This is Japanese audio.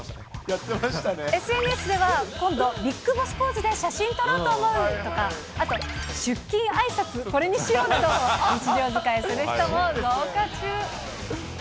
ＳＮＳでは、今度ビッグボスポーズで写真撮ろうと思うとか、あと出勤あいさつ、これにしようなど、日常使いする人も増加中。